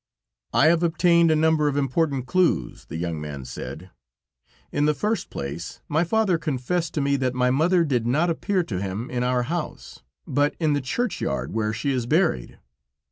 "I have obtained a number of important clues," the young man said. "In the first place, my father confessed to me, that my mother did not appear to him in our house, but in the churchyard where she is buried.